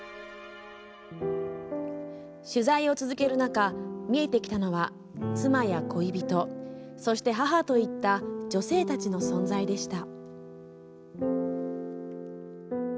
取材を続ける中、見えてきたのは妻や恋人、そして母といった女性たちの存在でした。